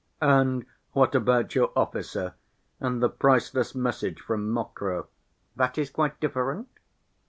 "And what about your officer? And the priceless message from Mokroe?" "That is quite different."